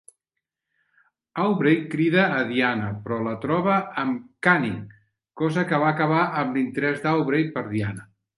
Aubrey crida a Diana però la troba amb Canning, cosa que va acabar amb l"interès d"Aubrey per Diana.